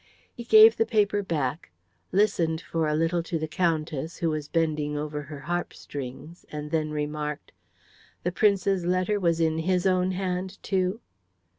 He gave the paper back, listened for a little to the Countess, who was bending over her harp strings, and then remarked, "The Prince's letter was in his own hand too?"